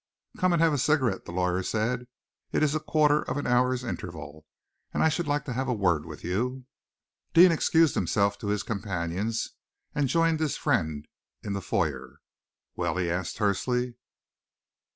"Come and have a cigarette," the lawyer said. "It is a quarter of an hour's interval, and I should like to have a word with you." Deane excused himself to his companions, and joined his friend in the foyer. "Well?" he asked tersely.